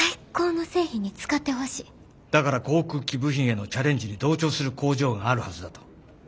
だから航空機部品へのチャレンジに同調する工場があるはずだと。